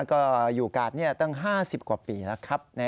ก็อยู่กาดตั้ง๕๐กว่าปีแล้วครับ